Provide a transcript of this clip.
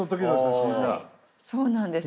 はいそうなんです。